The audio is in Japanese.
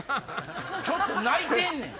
ちょっと泣いてんねん！